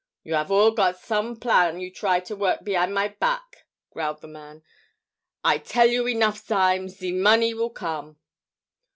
"You 'ave all got some plan you try to work behin' my back," growled the man. "I tell you enough times, ze money will come!"